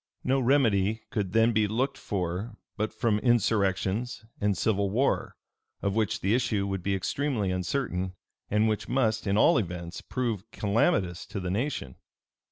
No remedy could then be looked for but from insurrections and civil war, of which the issue would be extremely uncertain, and which must, in all events, prove calamitous to the nation.